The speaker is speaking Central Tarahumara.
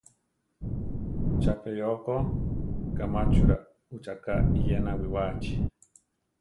Chapeyó ko kamáchura ucháka iyéna awiwáachi.